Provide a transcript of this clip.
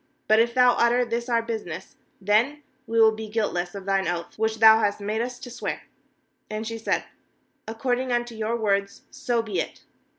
20But if thou utter this our business, then we will be guiltless of thine oath which thou hast made us to swear.7 21And she said: 'According unto your words, so be it.'